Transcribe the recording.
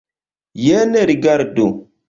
Jen rigardu.